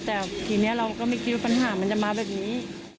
แต่ทีนี้เราก็ไม่คิดว่าปัญหามันจะมาแบบนี้